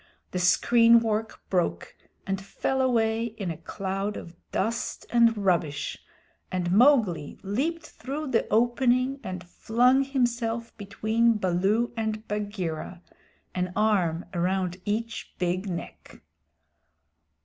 The screen work broke and fell away in a cloud of dust and rubbish, and Mowgli leaped through the opening and flung himself between Baloo and Bagheera an arm around each big neck.